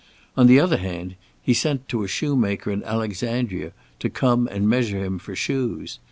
On the other hand, he sent to a shoemaker in Alexandria to come and measure him for shoes.